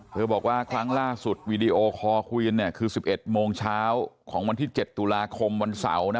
บอกว่าครั้งล่าสุดวีดีโอคอร์คุยกันเนี่ยคือ๑๑โมงเช้าของวันที่๗ตุลาคมวันเสาร์นะ